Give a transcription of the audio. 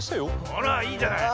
あらいいじゃない。